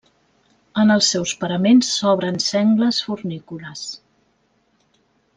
En els seus paraments s'obren sengles fornícules.